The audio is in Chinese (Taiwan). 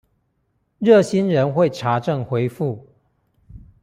熱心人會查證回覆